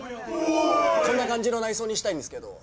こんな感じの内装にしたいんですけど。